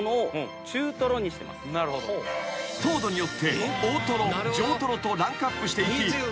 ［糖度によって大とろ上とろとランクアップしていき］